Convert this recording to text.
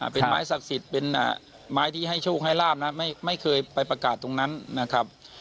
เป็นไม้ศักดิ์สิทธิ์เป็นไม้ที่ให้โชคให้ลาบนะไม่เคยไปประกาศตรงนั้นนะครับ